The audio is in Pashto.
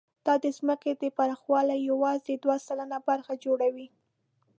دا د ځمکې د پراخوالي یواځې دوه سلنه برخه جوړوي.